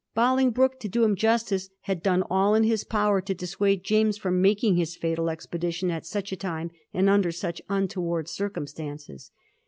Bolingbroke, to do him justice, had done all in his power to dissuade James from making his fatal expedition at such a time, and under such untoward circumstances.